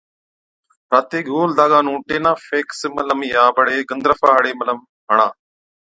راتي گول داگا نُون ٽِينافيڪس Tineafax Ointemet ملم يان بڙي گندرفا هاڙِي ملم هڻا۔